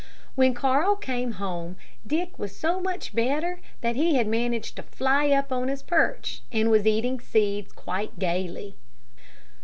When Carl came home, Dick was so much better that he had managed to fly up on his perch, and was eating seeds quite gayly.